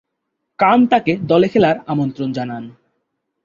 কান তাকে দলে খেলার আমন্ত্রণ জানান।